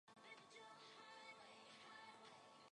An in-dash hands-free car phone was also available as an option.